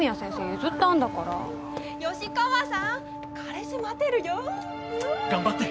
譲ったんだから吉川さん彼氏待ってるよ頑張って！